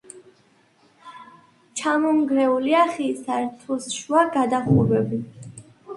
ჩამონგრეულია ხის სართულშუა გადახურვები.